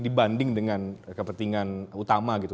dibanding dengan kepentingan utama gitu